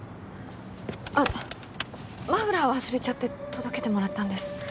あっマフラーを忘れちゃって届けてもらったんです。